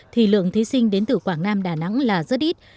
thì lượng thí sinh đến từ quảng nam đà nẵng là rất ít